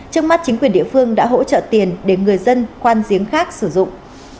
trước mắt chính quyền địa phương đã hỗ trợ tiền để người dân khoan giếng khác sử dụng